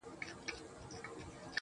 نو دا ښيي چي تاسې شخصي ګټې